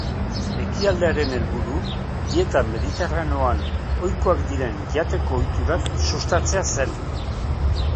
Ekitaldiaren helburu, dieta mediterraneoan oikoak diren jateko ohiturak sustatzea zen.